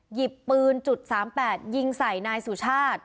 หยิบปืนจุด๓๘ยิงใส่นายสุชาติ